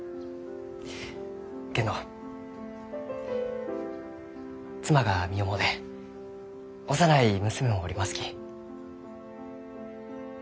けんど妻が身重で幼い娘もおりますき。